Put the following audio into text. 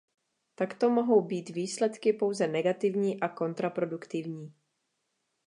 Takto mohou být výsledky pouze negativní a kontraproduktivní.